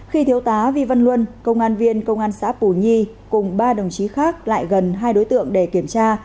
khi thiếu tá vi văn luân công an viên công an xã pù nhi cùng ba đồng chí khác lại gần hai đối tượng để kiểm tra